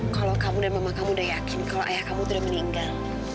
kalau kamu dan mama kamu sudah yakin kalau ayah kamu sudah meninggal